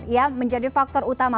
ya menjadi faktor utama